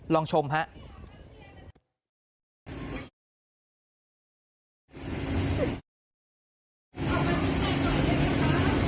ลองชมครับ